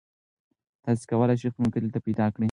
تاسي کولای شئ خپل ملګري دلته پیدا کړئ.